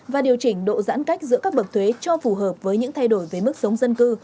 và điều chỉnh độ giãn cách giữa các bậc thuế cho phù hợp với những thay đổi về mức sống dân cư